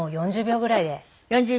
４０秒ぐらい？